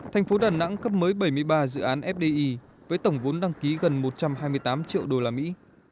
thành phố đà nẵng cấp mới bảy mươi ba dự án fdi với tổng vốn đăng ký gần một trăm hai mươi tám triệu đô la mỹ